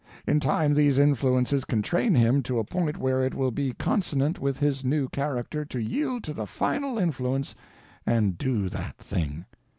In time these influences can train him to a point where it will be consonant with his new character to yield to the _final _influence and do that thing.